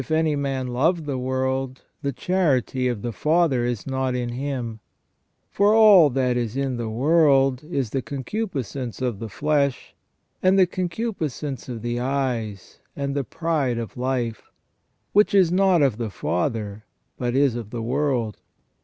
If any man love the world, the charity of the Father is not in him. P'or all that is in the world is the concupiscence of the flesh, and the concupiscence of the eyes and the pride of life, which is not of the Father, but is of the world.